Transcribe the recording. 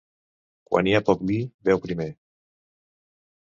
Quan hi ha poc vi, beu primer.